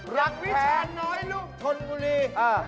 รักแท้น้อยลูกทนบุรี